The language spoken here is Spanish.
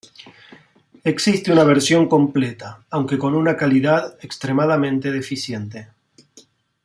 Existe una versión completa, aunque con una calidad extremadamente deficiente.